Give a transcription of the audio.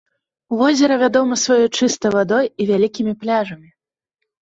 Возера вядома сваёй чыстай вадой і вялікімі пляжамі.